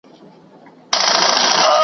لاري کوڅې به دي له سترګو د اغیاره څارې.